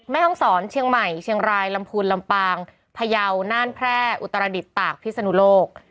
แม่ห้องศรเชียงใหม่เชียงรายลำพูนลำปางพยาวน่านแพร่อุตรดิษฐตากพิศนุโลก